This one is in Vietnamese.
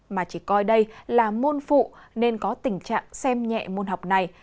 mà chỉ coi đây là môn phụ nên có tình trạng xem nhẹ môn học này